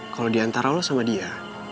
kalo diantara lo sama dia